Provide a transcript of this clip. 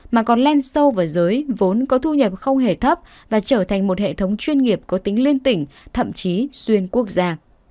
mà còn lan sâu vào giới vốn có thu nhập không hề thấp và trở thành một hệ thống chuyên nghiệp có tính liên tỉnh thậm chí xuyên quốc gia